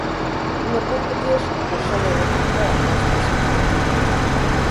Un varbūt patiešām mēs šodien varbūt neatbalstīsim šo budžetu.